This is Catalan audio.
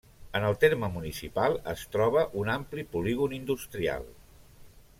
En el terme municipal es troba un ampli polígon industrial.